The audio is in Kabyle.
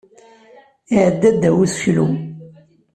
Iɛedda ddaw useklu.